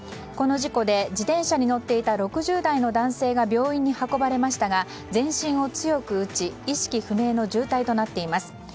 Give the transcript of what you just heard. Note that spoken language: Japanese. この事故で自転車に乗っていた６０代の男性が病院に運ばれましたが全身を強く打ち意識不明の重体となっています。